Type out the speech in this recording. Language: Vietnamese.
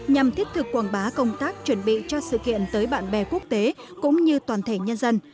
nhằm thiết thực quảng bá công tác chuẩn bị cho sự kiện tới bạn bè quốc tế cũng như toàn thể nhân dân